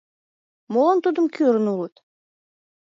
Молан тудым кӱрын улыт?